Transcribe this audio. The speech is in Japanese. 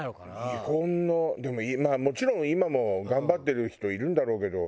日本のでもまあもちろん今も頑張ってる人いるんだろうけど。